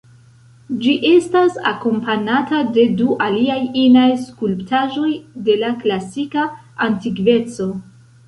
Ĝi estas akompanata de du aliaj inaj skulptaĵoj de la klasika antikveco.